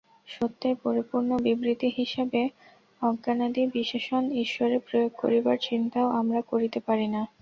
সত্যের পরিপূর্ণ বিবৃতি হিসাবে অজ্ঞানাদি বিশেষণ ঈশ্বরে প্রয়োগ করিবার চিন্তাও আমরা করিতে পারি না।